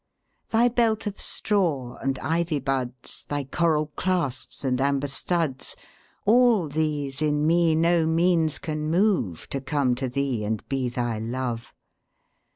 Thy belt of straw and ivy buds, Thy coral clasps and amber studs,—All these in me no means can moveTo come to thee and be thy Love.